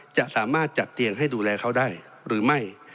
จะสามารถจัดเตียงให้ดูแลเขาได้หรือไม่